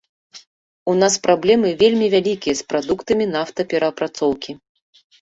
У нас праблемы вельмі вялікія з прадуктамі нафтаперапрацоўкі.